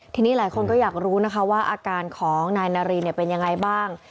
ทีนี้หลายคนก็อยากรู้นะคะว่าอาการของนายนารีเป็นยังไงบ้าง